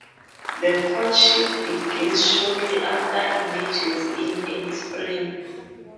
The courtship begins shortly after emergence in early spring.